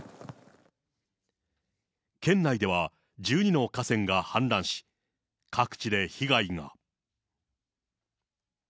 県内では１２の河川が氾濫し、各地で被害が。